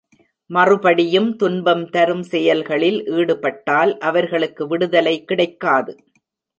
மறுபடியும் துன்பம் தரும் செயல்களில் ஈடுபட்டால் அவர்களுக்கு விடுதலை கிடைக்காது.